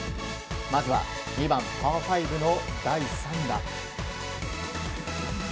まずは２番パー５の第３打。